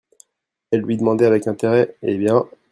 Elle lui demandait avec intérêt: Eh bien